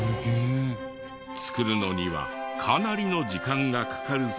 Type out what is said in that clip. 作るのにはかなりの時間がかかるそうで。